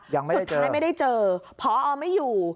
ยังไม่ได้เจอใช่ไม่ได้เจอพอไม่อยู่